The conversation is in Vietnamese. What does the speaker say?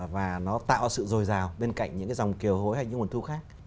và nó tạo sự dồi dào bên cạnh những cái dòng kiều hối hay những nguồn thu khác